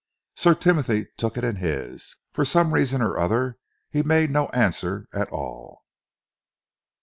Sir Timothy took it in his. For some reason or other, he made no answer at all.